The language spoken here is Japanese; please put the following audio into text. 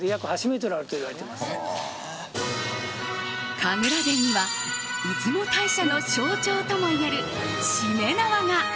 神楽殿には出雲大社の象徴ともいえる、しめ縄が。